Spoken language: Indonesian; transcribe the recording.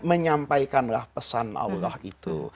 menyampaikanlah pesan allah itu